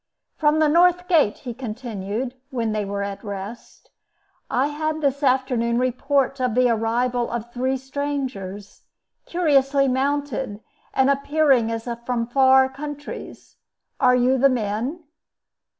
"From the North Gate," he continued, when they were at rest, "I had this afternoon report of the arrival of three strangers, curiously mounted, and appearing as if from far countries. Are you the men?"